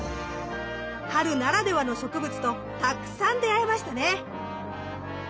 春ならではの植物とたくさん出会えましたね。